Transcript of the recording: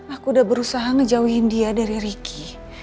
aku udah berusaha ngejauhin dia dari ricky